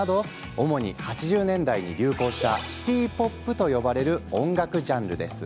主に８０年代に流行したシティ・ポップと呼ばれる音楽ジャンルです。